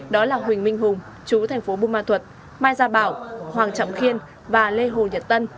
đó là huỳnh minh hùng chú thành phố bù ma thuật mai gia bảo hoàng trọng khiên và lê hồ nhật tân